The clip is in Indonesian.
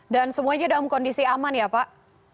dan semuanya dalam kondisi aman ya pak